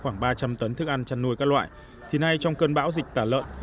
khoảng ba trăm linh tấn thức ăn chăn nuôi các loại thì nay trong cơn bão dịch tả lợn